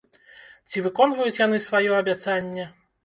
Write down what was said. Ці выконваюць яны сваё абяцанне?